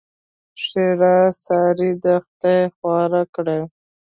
ښېرا؛ سار دې خدای خواره کړي!